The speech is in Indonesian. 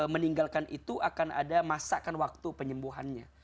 meninggalkan itu akan ada masakan waktu penyembuhannya